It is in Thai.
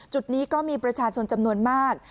จุดนี้ก็มีประชาชนจำนวนมาก